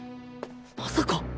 まさか！？